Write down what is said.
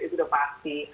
itu udah pasti